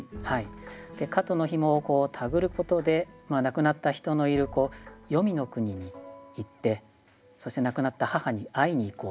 で蝌蚪の紐を手繰ることで亡くなった人のいるよみの国に行ってそして亡くなった母に会いに行こうという。